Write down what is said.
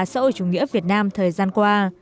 sau chủ nghĩa việt nam thời gian qua